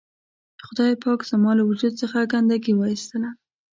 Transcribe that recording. خدای پاک زما له وجود څخه ګندګي و اېستله.